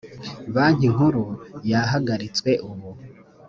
banki nkuru yahagaritswe ubu